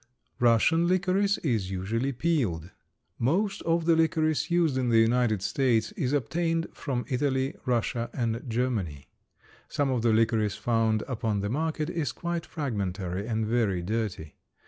Russian licorice is usually peeled. Most of the licorice used in the United States is obtained from Italy, Russia, and Germany. Some of the licorice found upon the market is quite fragmentary and very dirty.